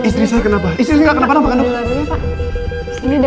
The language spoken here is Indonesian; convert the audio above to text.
silahkan pak tunggu di luar dulu ya pak